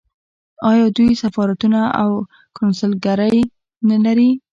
آیا دوی سفارتونه او کونسلګرۍ نلري؟